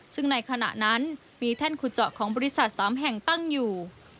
ซึ่งในขณะนั้นมีแท่นขุดเจาะของบริษัท๓แห่งตั้งอยู่